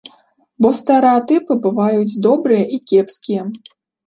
Бо стэрэатыпы бываюць добрыя і кепскія.